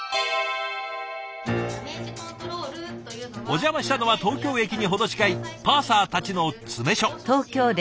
お邪魔したのは東京駅に程近いパーサーたちの詰め所。